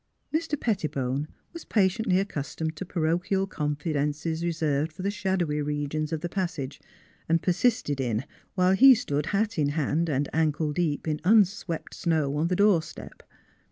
Mr. Pettibone was pa tiently accustomed to parochial confidences re served for the shadowy regions of the passage; and persisted in, while he stood hat in hand and ankle deep in unswept snow on the doorstep.